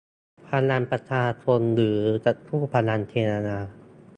พลังประชาชนหรือจะสู้พลังเทวดา